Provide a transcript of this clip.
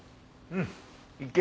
うん。